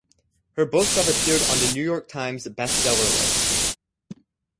Her books have appeared on the "New York Times" Best Seller list.